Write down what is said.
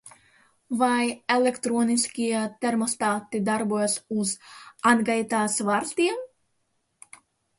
Vai elektroniskie termostati darbojas uz atgaitas vārstiem?